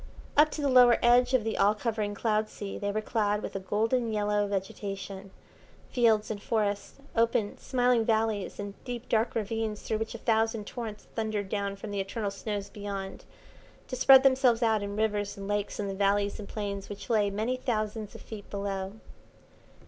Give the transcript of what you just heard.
Up to the lower edge of the all covering cloud sea they were clad with a golden yellow vegetation, fields and forests, open, smiling valleys, and deep, dark ravines through which a thousand torrents thundered down from the eternal snows beyond, to spread themselves out in rivers and lakes in the valleys and plains which lay many thousands of feet below.